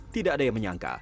tidak ada yang menyangka